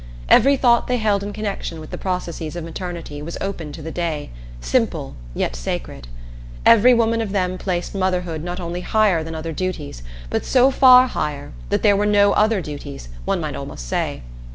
Every thought they held in connection with the processes of maternity was open to the day, simple yet sacred. Every woman of them placed motherhood not only higher than other duties, but so far higher that there were no other duties, one might almost say.